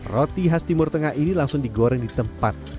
roti khas timur tengah ini langsung digoreng di tempat